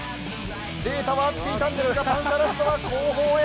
データは合っていたんですがパンサラッサは後方へ。